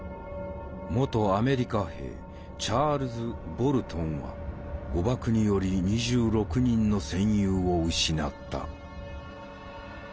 元アメリカ兵チャールズ・ボルトンは誤爆により２６人の戦友を失った。